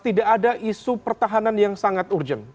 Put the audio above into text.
tidak ada isu pertahanan yang sangat urgent